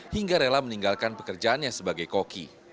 hingga rela meninggalkan pekerjaannya sebagai koki